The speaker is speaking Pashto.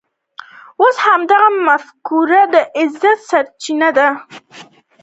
اوس همدا مفکوره د عزت سرچینه ده.